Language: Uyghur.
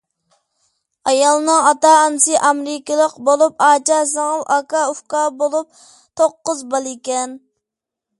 ئايالنىڭ ئاتا-ئانىسى ئامېرىكىلىق بولۇپ، ئاچا-سىڭىل، ئاكا-ئۇكا بولۇپ توققۇز بالىكەن.